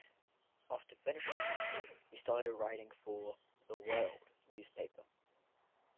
After finishing high school he started writing for "The World" newspaper.